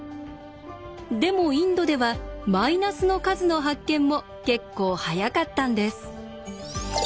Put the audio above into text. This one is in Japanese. でもインドではマイナスの数の発見も結構早かったんです。